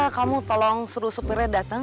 kamu tolong suruh supirnya datang